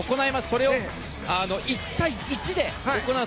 それも１対１で行う。